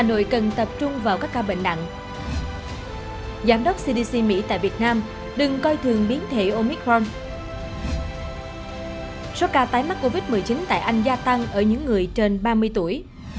số ca mắc covid một mươi chín tại anh gia tăng ở những người trên ba mươi tuổi